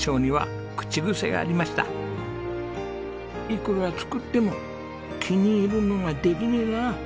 「いくら作っても気に入るのができねえな」。